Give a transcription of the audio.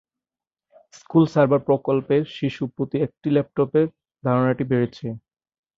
School server প্রকল্পের শিশু প্রতি একটি ল্যাপটপের ধারণাটি বেড়েছে।